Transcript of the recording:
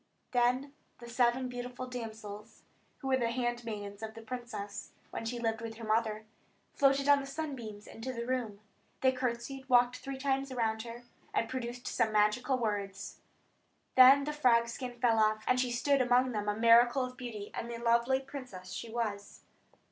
Then the seven beautiful damsels, who were the handmaidens of the princess when she lived with her mother floated on the sunbeams into the room. They curtsied, walked three times round her, and pronounced some magical words. Then the frog skin fell off her, and she stood among them a miracle of beauty, and the lovely princess she was.